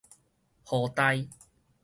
河鮘